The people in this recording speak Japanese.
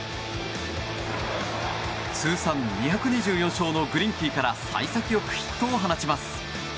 通算２２４勝のグリンキーから幸先よくヒットを放ちます。